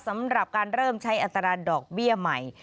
สำหรับการเริ่มใช้อัตราดอกเบี้ยใหม่